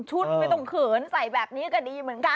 ไม่ต้องเขินใส่แบบนี้ก็ดีเหมือนกัน